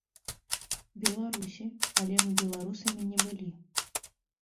Беларусі, але мы беларусамі не былі.